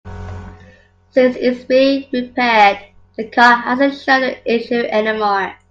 Since it's been repaired, the car hasn't shown the issue any more.